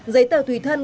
dây tờ thủy thân